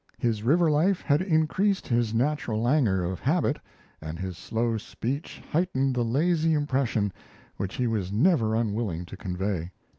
His river life had increased his natural languor of habit, and his slow speech heightened the lazy impression which he was never unwilling to convey.